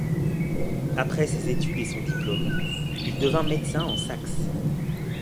Après ses études et son diplôme, il devient médecin en Saxe.